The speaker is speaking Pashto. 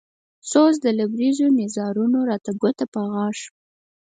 سوز د لبرېزو نيزارونو راته ګوته په غاښ